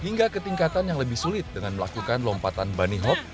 hingga ketingkatan yang lebih sulit dengan melakukan lompatan bunny hope